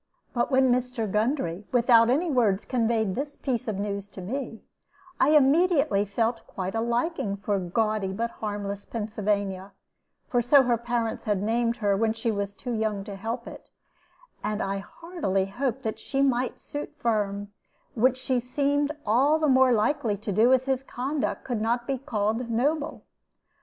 But when Mr. Gundry, without any words, conveyed this piece of news to me, I immediately felt quite a liking for gaudy but harmless Pennsylvania for so her parents had named her when she was too young to help it; and I heartily hoped that she might suit Firm, which she seemed all the more likely to do as his conduct could not be called noble.